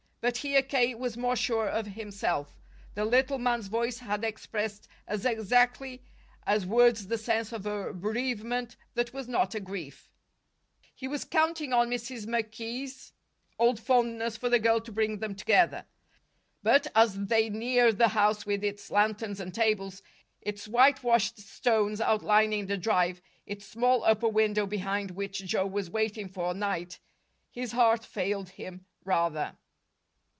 But here K. was more sure of himself: the little man's voice had expressed as exactly as words the sense of a bereavement that was not a grief. He was counting on Mrs. McKee's old fondness for the girl to bring them together. But, as they neared the house with its lanterns and tables, its whitewashed stones outlining the drive, its small upper window behind which Joe was waiting for night, his heart failed him, rather.